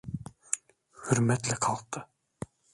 Hürmetle kalktı.